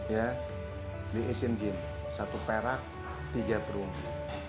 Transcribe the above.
ya di asian games satu perak tiga perunggu